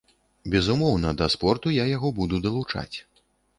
Безумоўна, да спорту я яго буду далучаць.